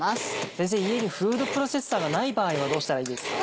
先生家にフードプロセッサーがない場合はどうしたらいいですか？